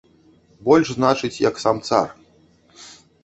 Больш значыць, як сам цар.